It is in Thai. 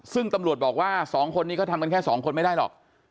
ซึ่งตำรวจบอกว่า๒คนนี้ก็ทำกันแค่สองคนไม่ได้หรอก